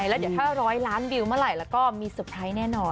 แล้วถ้าร้อยล้านวิวเมื่อไหร่ก็มีสเตอร์ไพรส์แน่นอน